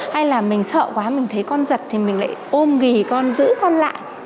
hay là mình sợ quá mình thấy con giật thì mình lại ôm ghi con giữ con lại